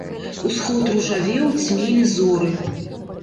Усход ружавеў, цьмелі зоры.